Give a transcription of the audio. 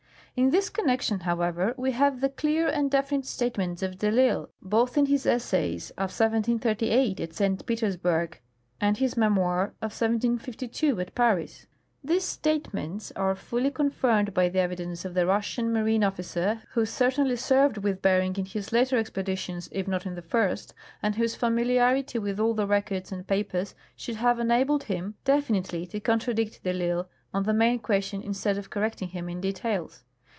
In this connection, hoAvever, we have the clear and definite statements of de I'lsle, both in his essays of 1738 at St. Petersburg and his memoir of 1752 at Paris. These statements are fully confirmed by the evidence of the Russian marine officer, who certainly served with Bering in his later expeditions if not in the first, and whose familiarity with all the records and j)apers should have enabled him definitely to contradict de ITsle on the main question instead of correcting him in details.